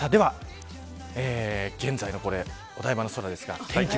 現在のお台場の空です。